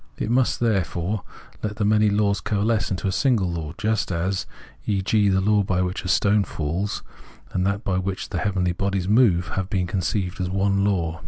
It must, therefore, let the many laws coalesce into a single law, just as, e.g., the law by which a stone falls, and that by which the heavenly bodies move have been conceived as one law.